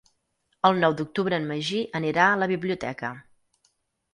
El nou d'octubre en Magí anirà a la biblioteca.